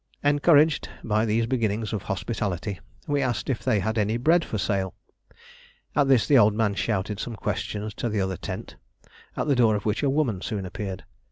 Encouraged by these beginnings of hospitality, we asked if they had any bread for sale. At this the old man shouted some questions to the other tent, at the door of which a woman soon appeared.